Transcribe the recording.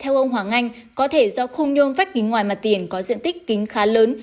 vách kính ngoài mặt tiền có diện tích kính khá lớn